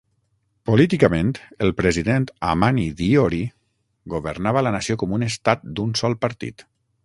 Políticament, el president Hamani Diori governava la nació com un estat d'un sol partit.